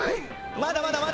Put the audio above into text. まだまだまだ！